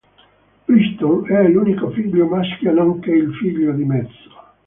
Brighton è l'unico figlio maschio nonché il figlio di mezzo.